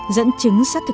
dẫn chứng sắc chân